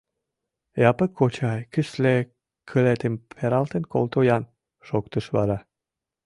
— Япык кочай, кӱсле кылетым пералтен колто-ян, — шоктыш вара.